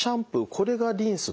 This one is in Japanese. これがリンスと。